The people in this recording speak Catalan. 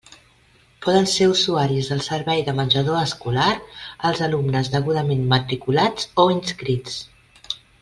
Poden ser usuaris del servei de menjador escolar els alumnes degudament matriculats o inscrits.